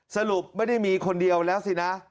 สรุปไม่ได้มีคนเดียวแล้วสินะ